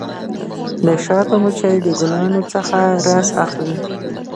د شاتو مچۍ د ګلانو څخه رس اخلي.